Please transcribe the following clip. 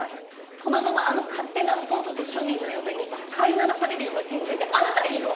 このままあの勝手な弟と庶民の嫁に飼いならされるような人生であなたいいの？